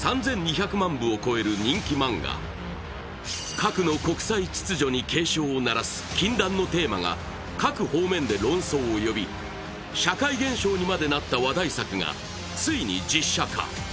核の国際秩序に警鐘を鳴らす禁断のテーマが各方面で論争を呼び、社会現象にまでなった話題作がついに実写化。